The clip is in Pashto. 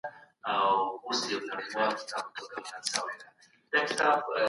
دوی به د غوښتنو د کنټرول لپاره د پوهانو مشورې اورېدلې.